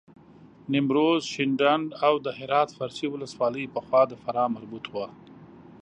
نیمروز، شینډنداو د هرات فرسي ولسوالۍ پخوا د فراه مربوط وه.